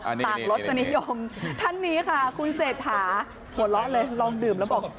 ต่างรสนิยมท่านนี้ค่ะคุณเศรษฐาหัวเราะเลยลองดื่มแล้วบอก